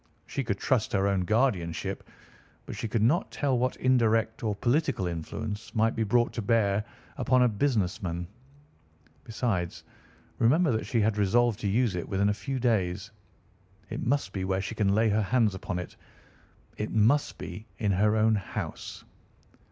She could trust her own guardianship, but she could not tell what indirect or political influence might be brought to bear upon a business man. Besides, remember that she had resolved to use it within a few days. It must be where she can lay her hands upon it. It must be in her own house."